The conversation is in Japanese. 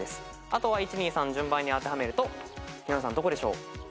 あとは１・２・３順番に当てはめると平野さんどこでしょう？